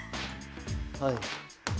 はい。